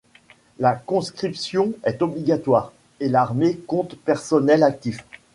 La conscription est obligatoire et l'armée compte personnels actifs.